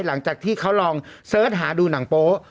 หลังจากที่เขาลองเสิร์ชหาดูหนังโป๊ะ